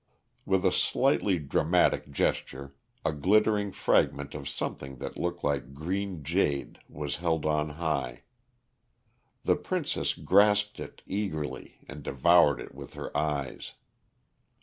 With a slightly dramatic gesture a glittering fragment of something that looked like green jade was held on high. The princess grasped it eagerly and devoured it with her eyes.